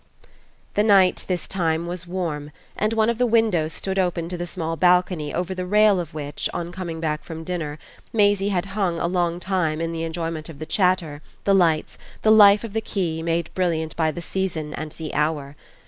The night, this time, was warm, and one of the windows stood open to the small balcony over the rail of which, on coming back from dinner, Maisie had hung a long time in the enjoyment of the chatter, the lights, the life of the quay made brilliant by the season and the hour.